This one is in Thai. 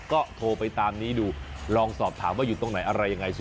ก็โทรไปตามนี้ดูลองสอบถามว่าอยู่ตรงไหนอะไรยังไง